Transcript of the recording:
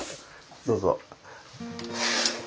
どうぞ。